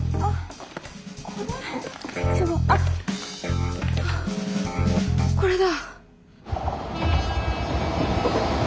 あっこれだ。